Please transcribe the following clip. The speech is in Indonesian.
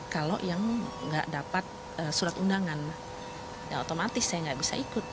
kalau yang nggak dapat surat undangan ya otomatis saya nggak bisa ikut